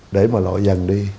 để mà lội dần đi